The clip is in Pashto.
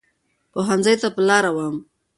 پوهنځۍ ته په لاره وم.